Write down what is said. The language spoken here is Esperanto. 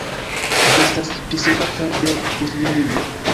Ĝi estas priservata de buslinio.